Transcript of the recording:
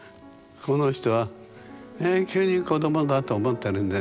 この人は永久に子どもだと思ってるんですね。